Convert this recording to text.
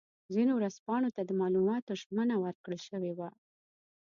ځینو ورځپاڼو ته د معلوماتو ژمنه ورکړل شوې وه.